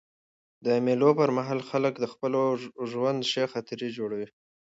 د مېلو پر مهال خلک د خپل ژوند ښې خاطرې جوړوي.